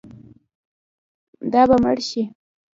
دا به مړ شي.